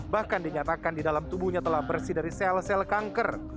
bahkan dinyatakan di dalam tubuhnya telah bersih dari sel sel kanker